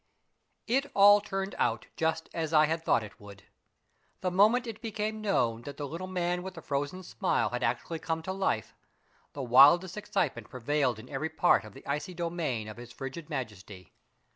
It all turned out just as I had thought it would! The mo ment it became known that the Little Man with the Frozen Smile had actually come to life, the wildest excitement prevailed in every part of the icy domain of his frigid Majesty.